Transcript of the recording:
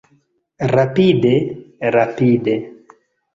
Rapide. Rapide.